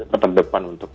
tetap depan untuk